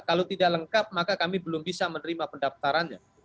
kalau tidak lengkap maka kami belum bisa menerima pendaftarannya